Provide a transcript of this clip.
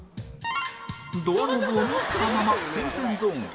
ドアノブを持ったまま風船ゾーンへ